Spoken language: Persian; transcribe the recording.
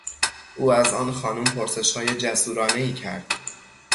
او از آن خانم پرسشهای جسورانهای کرد.